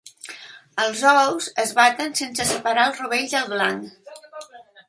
Els ous es baten sense separar el rovell del blanc.